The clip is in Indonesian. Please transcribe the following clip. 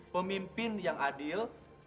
pemimpin yang adil